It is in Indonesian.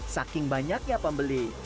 saking banyak ya pembeli